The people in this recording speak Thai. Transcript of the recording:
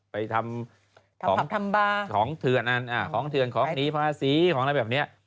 ไปทำของเถือนของนี้ของนี้ของราศรีของอะไรแบบนี้